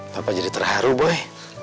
papa jadi terharu boy